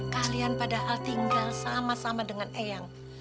kalian padahal tinggal sama sama dengan eyang